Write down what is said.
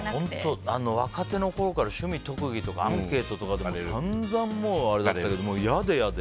若手のころから趣味・特技とかアンケートとかで散々もう嫌で嫌で。